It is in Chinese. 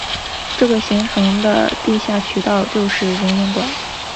这个形成的地下渠道就是熔岩管。